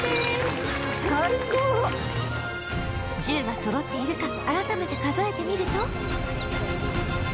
１０羽そろっているか改めて数えてみると